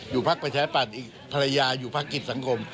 อยู่ภาคประชาปันอีกภรรยาอยู่ภาคกิจสังคม